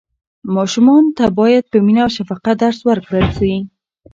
ماشومانو ته باید په مینه او شفقت درس ورکړل سي.